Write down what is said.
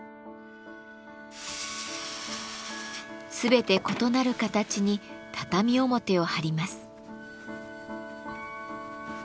全て異なる形に畳表を貼ります。